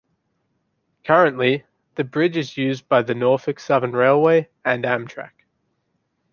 Currently, the bridge is used by the Norfolk Southern Railway and Amtrak.